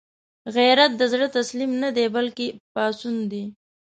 غیرت د زړه تسلیم نه دی، بلکې پاڅون دی